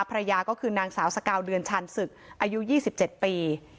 ภรรยาก็คือนางสาวสกาวเดือนชาญศึกอายุ๒๗ปี